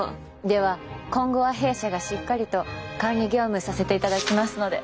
では今後は弊社がしっかりと管理業務させていただきますので。